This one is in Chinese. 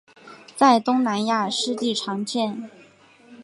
在东南亚湿地常见。